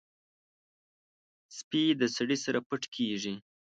سپي د سړي سره پټ کېږي.